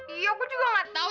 iya aku juga nggak tahu